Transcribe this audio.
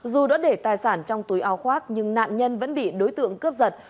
dù đã để tài sản trong túi áo khoác nhưng nạn nhân vẫn bị đối tượng cướp giật